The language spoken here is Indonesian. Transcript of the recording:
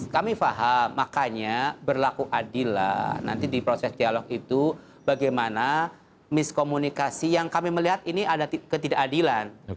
kami paham makanya berlaku adillah nanti di proses dialog itu bagaimana miskomunikasi yang kami melihat ini ada ketidakadilan